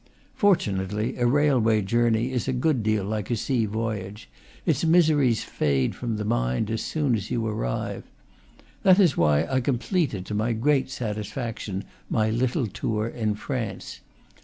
Fortunately, a railway journey is a good deal like a sea voyage; its miseries fade from the mind as soon as you arrive. That is why I completed, to my great satisfaction, my little tour in France.